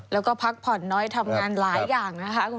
แล้วก็พักผ่อนน้อยทำงานหลายอย่างนะคะ